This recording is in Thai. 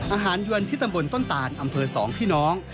อาหารยวนที่ตำบลต้นตานอำเภอ๒พี่น้อง